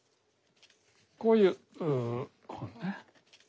こういう本ね。